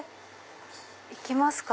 行きますか。